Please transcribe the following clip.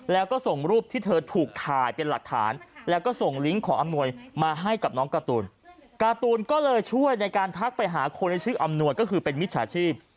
แล้วก็ส่งรูปที่เธอถูกถ่ายเป็นหลักฐานแล้วก็ส่งลิงก์ของอำนวยมาให้กับน้องการ์ตูนการ์ตูนก็เลยช่วยในการทักไปหาคนในชื่ออำนวยก็คือเป็นมิจฉาชีพ